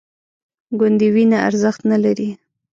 ګوندې وینه ارزښت نه لري